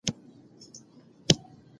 غلام په سجده پریووت او د الله شکر یې ادا کړ.